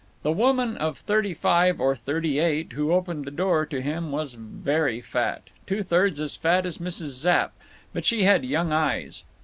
The woman of thirty five or thirty eight who opened the door to him was very fat, two thirds as fat as Mrs. Zapp, but she had young eyes.